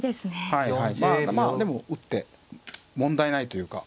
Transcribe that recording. はいはいまあでも打って問題ないというか。